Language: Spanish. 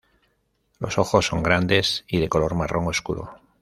Los ojos son grandes y de color marrón oscuro.